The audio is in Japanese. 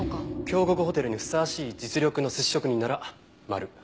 京極ホテルにふさわしい実力の寿司職人ならマル。